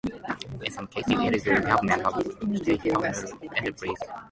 In some cases it is a government or state-owned enterprise.